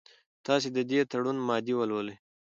تاسي د دې تړون مادې ولولئ.